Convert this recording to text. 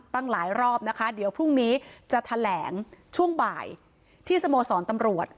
ตั้งหลายรอบนะคะเดี๋ยวพรุ่งนี้จะแถลงช่วงบ่ายที่สโมสรตำรวจ